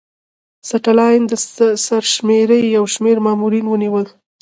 ستالین د سرشمېرنې یو شمېر مامورین ونیول